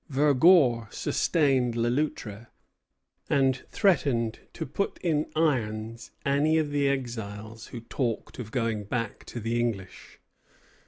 Vergor sustained Le Loutre, and threatened to put in irons any of the exiles who talked of going back to the English.